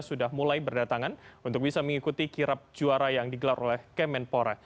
sudah mulai berdatangan untuk bisa mengikuti kirap juara yang digelar oleh kemenpora